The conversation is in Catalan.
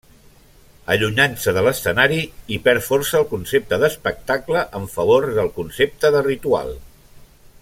Allunyant-se de l'escenari, hi perd força el concepte d'espectacle en favor del concepte de ritual.